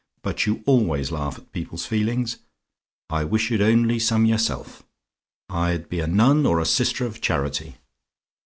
But you always laugh at people's feelings; I wish you'd only some yourself. I'd be a nun, or a Sister of Charity.